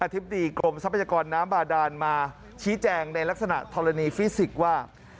ธิบดีกรมทรัพยากรน้ำบาดานมาชี้แจงในลักษณะธรณีฟิสิกส์ว่า